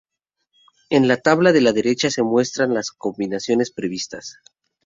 En la tabla de la derecha se muestran las combinaciones previstas.